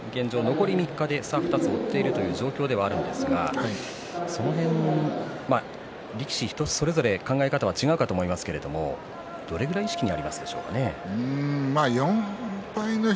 残り３日で差２つで追っている状況ではあるんですがその辺力士人それぞれ考え方は違うと思いますけれどもどれぐらい意識があるでしょうかね。